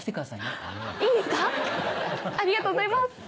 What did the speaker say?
ありがとうございます！